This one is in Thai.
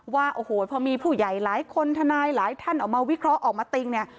ว่าโอ้โหพอมีผู้ใหญ่หลายคนทนายหลายท่านออกมาวิเคราะห์ออกมาติ้งเนี่ย